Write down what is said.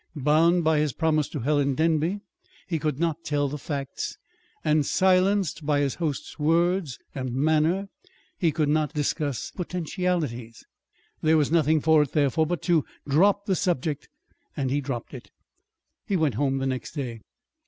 Bound by his promise to Helen Denby, he could not tell the facts; and silenced by his host's words and manner, he could not discuss potentialities. There was nothing for it, therefore, but to drop the subject. And he dropped it. He went home the next day.